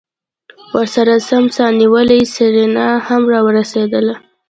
ورسرہ سم سا نيولې سېرېنا هم راورسېدله.